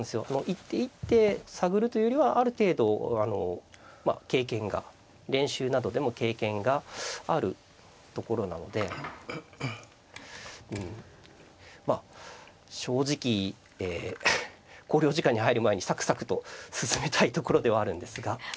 一手一手探るというよりはある程度経験が練習などでも経験があるところなのでうんまあ正直考慮時間に入る前にサクサクと進めたいところではあるんですが。